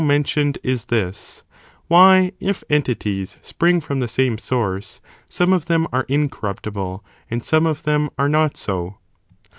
mentioned is this: why, if entities spring from the same source, some of them are incorruptible and some of them are not so?